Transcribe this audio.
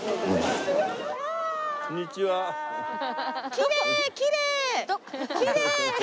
きれいきれい！